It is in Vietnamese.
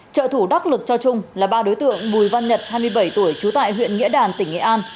trợ thủ đắc lực cho trung là ba đối tượng bùi văn nhật hai mươi bảy tuổi trú tại huyện nghĩa đàn tỉnh nghệ an